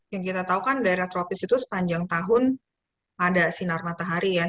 yang kita tahu kan daerah tropis itu sepanjang tahun ada sinar matahari ya